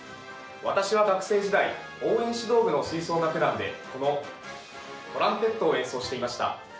私は学生時代応援指導部の吹奏楽団でこのトランペットを演奏していました。